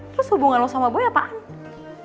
terus hubungan lo sama boy apaan